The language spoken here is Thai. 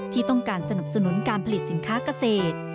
ที่ต้องการสนับสนุนการผลิตสินค้าเกษตร